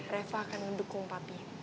reva akan mendukung papi